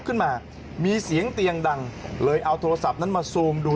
ขึ้นมามีเสียงเตียงดังเลยเอาโทรศัพท์นั้นมาซูมดู